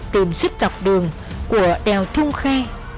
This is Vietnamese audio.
tìm xuất dọc đường của đèo thông khe